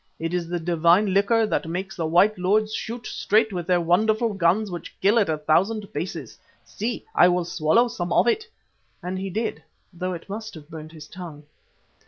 "It is the divine liquor that makes the white lords shoot straight with their wonderful guns which kill at a thousand paces. See, I will swallow some of it," and he did, though it must have burnt his tongue.